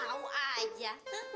mau tau aja